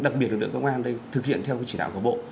đặc biệt lực lượng công an đây thực hiện theo chỉ đạo của bộ